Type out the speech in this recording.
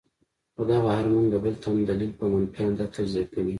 خو دغه هارمون د بل تن دليل پۀ منفي انداز تجزيه کوي -